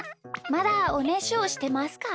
まだおねしょしてますか？